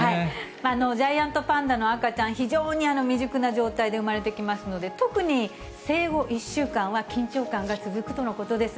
ジャイアントパンダの赤ちゃん、非常に未熟な状態で産まれてきますので、特に生後１週間は緊張感が続くとのことです。